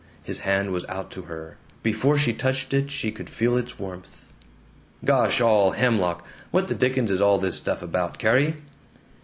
His hand was out to her; before she touched it she could feel its warmth "Gosh all hemlock! What the dickens is all this stuff about, Carrie?"